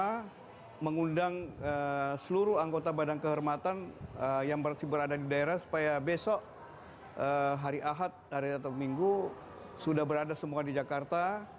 kita mengundang seluruh anggota badan kehormatan yang berada di daerah supaya besok hari ahad hari tetap minggu sudah berada semua di jakarta